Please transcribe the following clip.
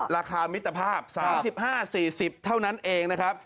ราคามิตรภาพ๓๕๔๐เท่านั้นเองนะครับ